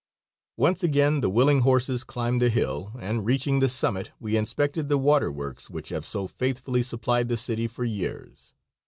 Once again the willing horses climbed the hill, and reaching the summit we inspected the waterworks which have so faithfully supplied the city for years.